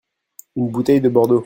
Une bouteille de Bordeaux.